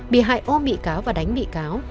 bị hại ôm bị cáo và đánh bị cáo